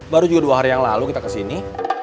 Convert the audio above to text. baru juga dua hari yang lalu kita ke sini